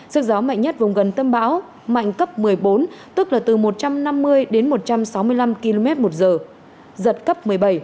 sức gió mạnh nhất vùng gần tâm bão mạnh cấp một mươi bốn tức là từ một trăm năm mươi đến một trăm sáu mươi năm km một giờ giật cấp một mươi bảy